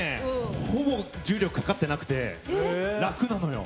ほぼ重力かかってなくて意外と楽なの。